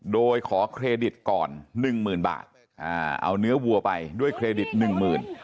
โดยขอเครดิตก่อนหนึ่งหมื่นบาทอ่าเอาเนื้อวัวไปด้วยเครดิตหนึ่งหมื่น